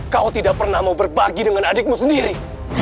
kau tidak pernah mau berbagi dengan adikmu sendiri